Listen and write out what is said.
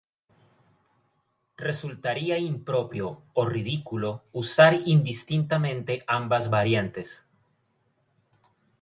Resultaría impropio o ridículo usar indistintamente ambas variantes.